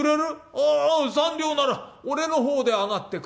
ああ三両なら俺の方で上がってく」。